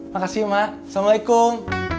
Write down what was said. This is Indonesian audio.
makasih ma assalamualaikum